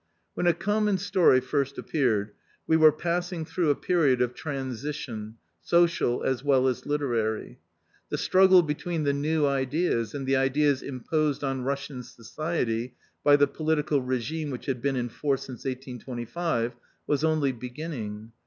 ..." When A Common Story first appeared, we were passing through a period of transition, social as well as literary. The struggle between the new ideas and the ideas imposed on Russian society by the political rSgime which had been in force since 1825, was only beginning.